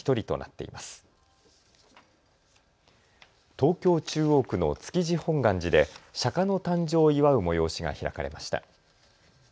東京中央区の築地本願寺で釈迦の誕生を祝う催しが開かれました。